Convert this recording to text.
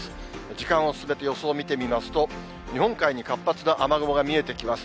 時間を進めて予想を見てみますと、日本海に活発な雨雲が見えてきます。